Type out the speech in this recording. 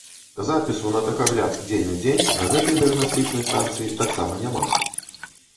Запісу на тэхагляд дзень у дзень на гэтай дыягнастычнай станцыі таксама няма.